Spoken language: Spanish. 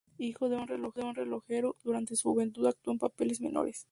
Hijo de un relojero, durante su juventud actuó en papeles menores.